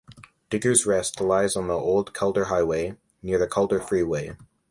Diggers Rest lies on the Old Calder Highway, near the Calder Freeway.